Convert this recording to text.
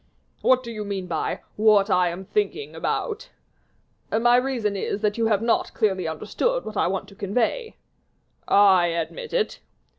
"What do you mean by 'what I am thinking about'?" "My reason is, that you have not clearly understood what I want to convey." "I admit it."